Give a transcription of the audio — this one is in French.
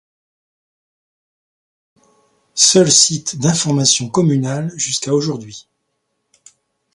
Seul site d'information communal jusqu'à aujourd'hui.